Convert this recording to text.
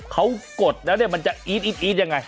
เขากดแล้วจะอิดอิดยังไง